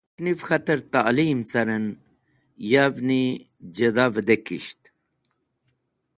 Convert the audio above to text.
Yashtes̃h niv k̃hater ta’lim caren, yav’ni jidha vẽdekisht.